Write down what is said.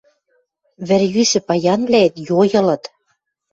Вӹр йӱшӹ паянвлӓэт йой ылыт.